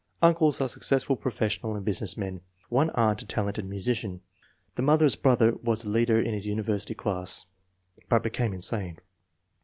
Uncles are successful professional and business men. One aunt a talented musician. The mother's brother was a leader in his university class, but became insane.